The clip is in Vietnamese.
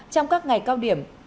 trong các ngày cao điểm